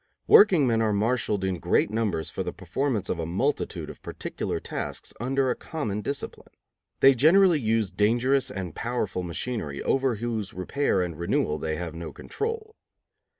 Workingmen are marshaled in great numbers for the performance of a multitude of particular tasks under a common discipline. They generally use dangerous and powerful machinery, over whose repair and renewal they have no control.